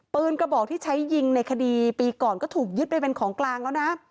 กระบอกที่ใช้ยิงในคดีปีก่อนก็ถูกยึดไปเป็นของกลางแล้วนะ